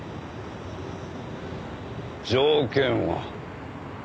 条件は？